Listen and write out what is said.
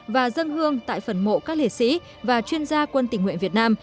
và dân hương tại phần mộ các liệt sĩ và chuyên gia quân tỉnh nghệ việt nam